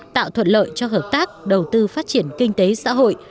tạo thuận lợi cho hợp tác đầu tư phát triển kinh tế xã hội